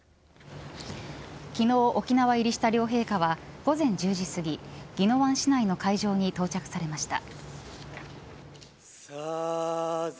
昨日、沖縄入りした両陛下は午前１０時すぎ宜野湾市内の会場に到着されました。